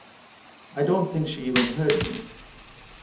I don't think she even heard me.